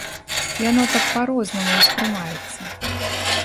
Яно так па-рознаму ўспрымаецца.